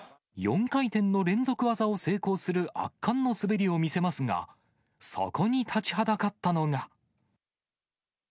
４回転の連続技を成功する圧巻の滑りを見せますが、そこに立ちはだかったのが。